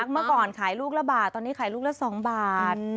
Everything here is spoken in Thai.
เมื่อก่อนขายลูกละบาทตอนนี้ขายลูกละ๒บาท